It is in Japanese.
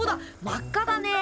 真っ赤だね。